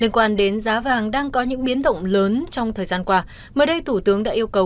liên quan đến giá vàng đang có những biến động lớn trong thời gian qua mới đây thủ tướng đã yêu cầu